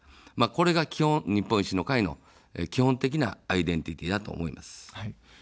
これが基本、日本維新の会の基本的なアイデンティティ−だと思います。